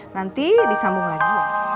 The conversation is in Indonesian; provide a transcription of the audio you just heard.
nanti disambung lagi ya